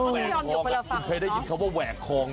วักคลองเดี๋ยวได้ยินคำว่าว่กว้าคล้อง